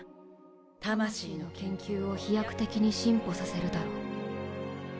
「魂の研究を飛躍的に進歩させるだろう」。